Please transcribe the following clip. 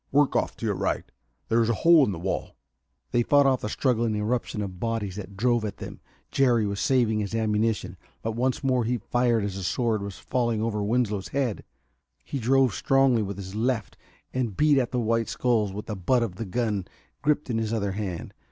"Work off to your right. There's a hole in the wall " They fought off the struggling eruption of bodies that drove at them. Jerry was saving his ammunition, but once more he fired as a sword was falling over Winslow's head. He drove strongly with his left and beat at the white skulls with the butt of the gun gripped in his other hand.